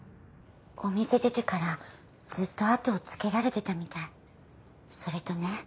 お店出てからずっと後をつけられてたみたいそれとね